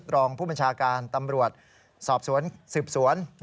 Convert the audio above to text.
รองผู้บัญชาการตำรวจสอบสวนสืบสวน